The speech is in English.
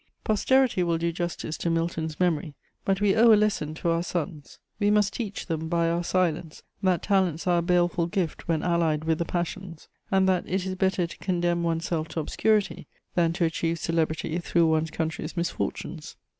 Posterity will do justice to Milton's memory, but we owe a lesson to our sons: we must teach them, by our silence, that talents are a baleful gift when allied with the passions, and that it is better to condemn one's self to obscurity than to achieve celebrity through one's country's misfortunes.